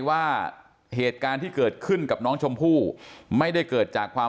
ว่าเหตุการณ์ที่เกิดขึ้นกับน้องชมพู่ไม่ได้เกิดจากความ